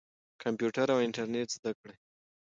کمپیوټر او انټرنیټ زده کړئ.